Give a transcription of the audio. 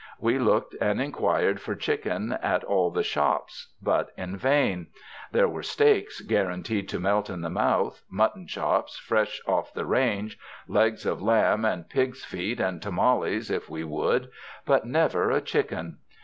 We looked and inquired for chicken at all the shops, but in vain. There were steaks guaranteed to melt in the mouth, mut ton chops fresh off the range, legs of lamb, and pigs' feet and tamales if we would, but never a chicken.